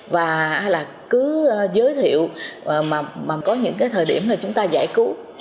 và cứ giới thiệu mà có những cái thời điểm là chúng ta giải cứu